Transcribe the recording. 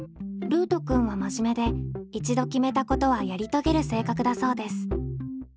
ルートくんはまじめで一度決めたことはやりとげる性格だそうです。